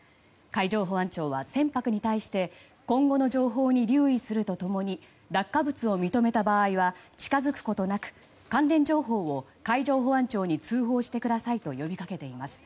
海上保安庁は、船舶に対して今後の情報に留意すると共に落下物を認めた場合は近づくことなく関連情報を海上保安庁に通報してくださいと呼びかけています。